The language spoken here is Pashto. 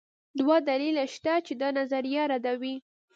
دوه دلایل شته چې دا نظریه ردوي